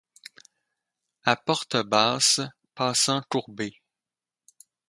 À porte basse, passant courbé.